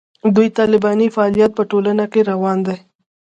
دوی طالباني فعالیت په ټولنه کې روان دی.